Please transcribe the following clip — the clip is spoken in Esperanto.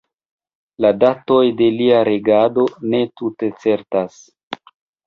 La datoj de lia regado ne tute certas.